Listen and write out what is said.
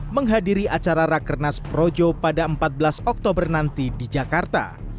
menghadiri acara rakernas projo pada empat belas oktober nanti di jakarta